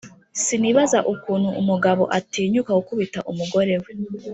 Sinibaza ukuntu umugabo atinyuka gukubita umugore we